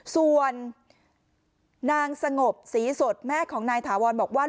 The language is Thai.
ส่วนนางสงบศรีสดแม่ของนายถาวรบอกว่า